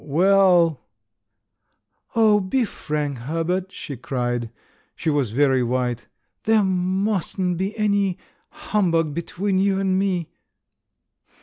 *'WelI " *'Oh, be frank, Herbert!" she cried. She was very white. "There musn't be any humbug be tween you and me!"